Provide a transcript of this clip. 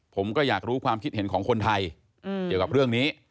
ผมก็อยากรู้ความคิดเห็นของคนไทยเกี่ยวกับเรื่องนี้